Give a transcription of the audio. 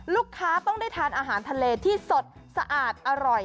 ลูกค้าต้องได้ทานอาหารทะเลที่สดสะอาดอร่อย